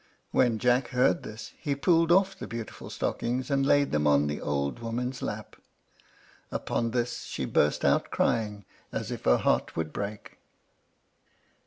When Jack heard this, he pulled off the beautiful stockings, and laid them on the old woman's lap. Upon this she burst out crying, as if her heart would break.